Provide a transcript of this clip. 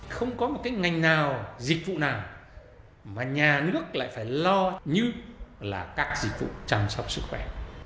không có một cái ngành nào dịch vụ nào mà nhà nước lại phải lo như là các dịch vụ chăm sóc sức khỏe